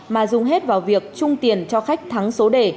mà dùng hết vào việc chung tiền cho khách thắng số đề